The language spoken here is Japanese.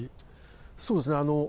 そうですね。